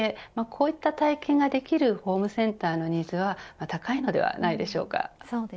こういった体験ができるホームセンターのニーズは高いのではないでしょうか。